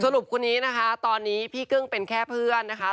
คนนี้นะคะตอนนี้พี่กึ้งเป็นแค่เพื่อนนะคะ